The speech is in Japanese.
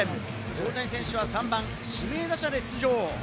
大谷選手は３番・指名打者で出場。